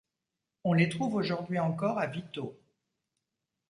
On les trouve aujourd'hui encore à Vitteaux.